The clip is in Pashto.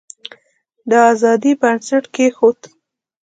د آزادی بنسټ کښېښود.